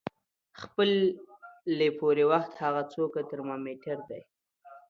خپلې پورې وخت هغه څوکه ترمامیټر د